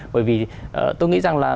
bởi vì tôi nghĩ rằng là